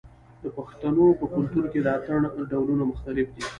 د پښتنو په کلتور کې د اتن ډولونه مختلف دي.